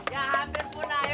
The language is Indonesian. yang hampir puna